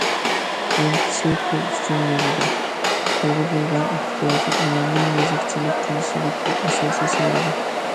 كېيىنكىسى پۇل ئۈچۈن يازىدۇ، پۇلغا بولغان ئېھتىياج ئۇلارنىڭ يېزىقچىلىق قىلىشىدىكى ئاساسىي سەۋەب.